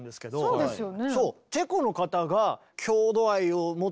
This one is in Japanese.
そうですよね。